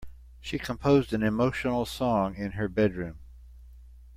She composed an emotional song in her bedroom.